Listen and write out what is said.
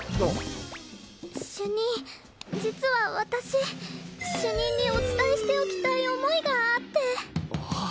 主任実は私主任にお伝えしておきたい思いがあって。